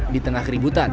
di tengah keributan